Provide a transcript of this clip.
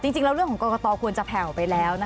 จริงแล้วเรื่องของกรกตควรจะแผ่วไปแล้วนะคะ